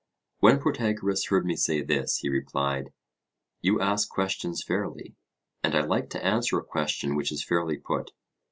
When Protagoras heard me say this, he replied: You ask questions fairly, and I like to answer a question which is fairly put.